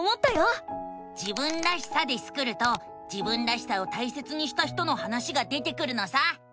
「自分らしさ」でスクると自分らしさを大切にした人の話が出てくるのさ！